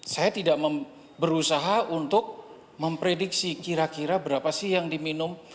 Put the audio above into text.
saya tidak berusaha untuk memprediksi kira kira berapa sih yang diminum